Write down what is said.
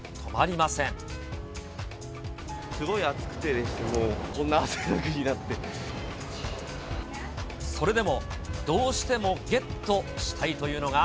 すごい暑くて、それでも、どうしてもゲットしたいというのが。